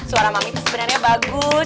suara mami itu sebenarnya bagus